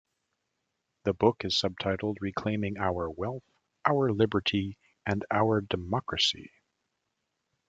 This book is subtitled Reclaiming our wealth, our liberty, and our democracy.